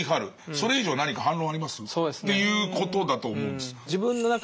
それ以上何か反論あります？っていうことだと思うんです。